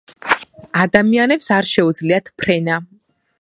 ადამიანებს არ შეულიათ ფრენა